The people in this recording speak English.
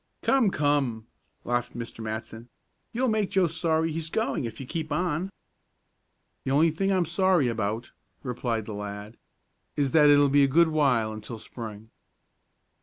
"Come! Come!" laughed Mr. Matson. "You'll make Joe sorry he's going if you keep on." "The only thing I'm sorry about," replied the lad, "is that it'll be a good while until Spring."